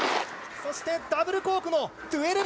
そしてダブルコークの１２６０。